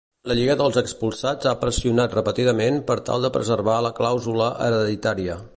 La Lliga dels Expulsats ha pressionat repetidament per tal de preservar la clàusula hereditària.